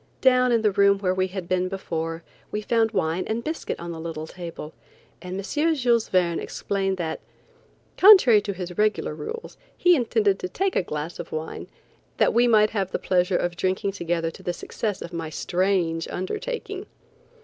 Down in the room where we had been before, we found wine and biscuit on the little table, and M. Jules Verne explained that, contrary to his regular rules, he intended to take a glass of wine, that we might have the pleasure of drinking together to the success of my strange undertaking.